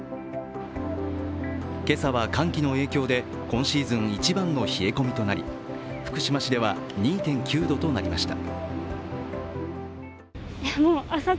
今朝は、寒気の影響で今シーズン一番の冷え込みとなり福島市では２．９度となりました。